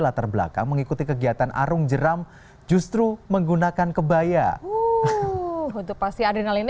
latar belakang mengikuti kegiatan arung jeram justru menggunakan kebaya untuk pasti adrenalin